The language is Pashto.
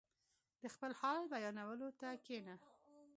• د خپل حال بیانولو ته کښېنه.